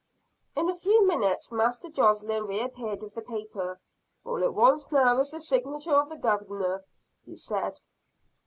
In a few minutes Master Josslyn reappeared with the paper. "All it now wants is the signature of the Governor," said he.